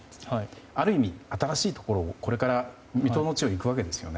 ある意味、新しいところをこれから未踏の地を行くわけですね。